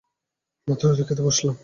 মাত্রই তো খেতে বসলাম!